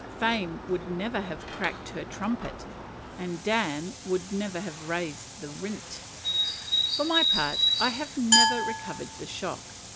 Fame would never have cracked her trumpet, and "Dan" would never have raised the rint. For my part I have never recovered the shock.